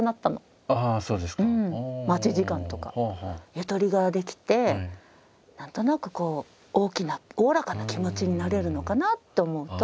ゆとりが出来て何となくこう大きなおおらかな気持ちになれるのかなって思うと。